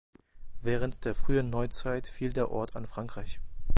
Während der frühen Neuzeit fiel der Ort an Frankreich.